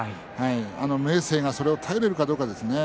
明生がそれを耐えられるかどうかですね。